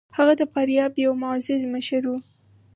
هغه د فاریاب یو معزز مشر دی.